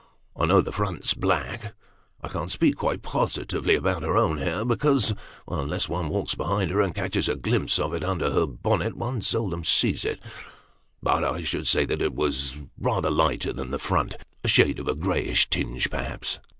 " I know the front's black ; I can't speak quite positively about her own hair ; because, unless one walks behind her, and catches a glimpse of it under her bonnet, one seldom sees it ; but I should say that it was rather lighter than the front a shade of a greyish tinge, perhaps."